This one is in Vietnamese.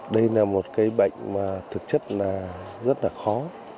đây là một cái bệnh mà thực chất là rất là khó